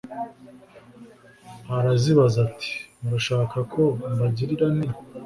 arazibaza ati “Murashaka ko mbagirira nte?”